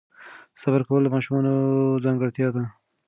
صبر کول د ماشومانو ځانګړتیا ده.